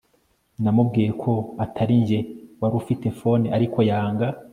namubwiye ko atarinjye wari ufite phone ariko yanga